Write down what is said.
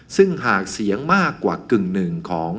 ซึ่งหากเสียงมากกว่ากึ่งหนึ่งของ